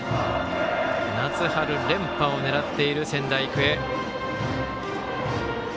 夏春連覇を狙っている仙台育英。